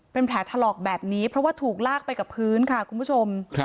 เป็นแผลถลอกแบบนี้เพราะว่าถูกลากไปกับพื้นค่ะคุณผู้ชม